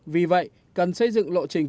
vì vậy cần xây dựng lộ trình